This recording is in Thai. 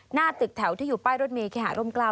หน้าตึกแถวที่อยู่ป้ายรถเมย์เคหาร่มกล้าว